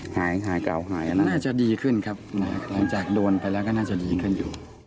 หายหายกล่าวหาย